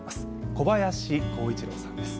小林幸一郎さんです。